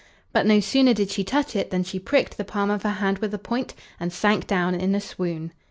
But no sooner did she touch it than she pricked the palm of her hand with the point, and sank down in a swoon.